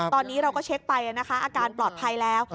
ตอนนี้เราก็เช็คไปนะคะอาการปลอดภัยแล้ว